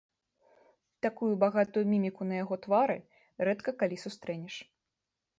Такую багатую міміку на яго твары рэдка калі сустрэнеш.